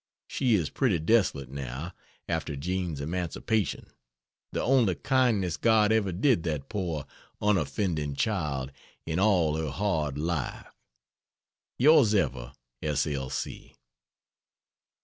She is pretty desolate now, after Jean's emancipation the only kindness God ever did that poor unoffending child in all her hard life. Ys ever S. L.